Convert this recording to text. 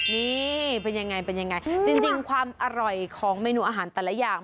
นี่เป็นยังไงเป็นยังไงจริงความอร่อยของเมนูอาหารแต่ละอย่าง